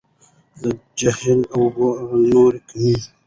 د جهیل اوبه لا نورې کمیږي.